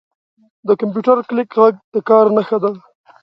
• د کمپیوټر کلیک ږغ د کار نښه ده.